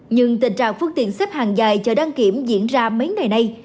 nhưng tình trạng phương tiện xếp hàng dài chờ đăng kiểm diễn ra mấy ngày nay